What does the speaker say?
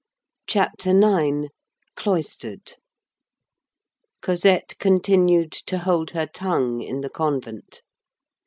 CHAPTER IX—CLOISTERED Cosette continued to hold her tongue in the convent.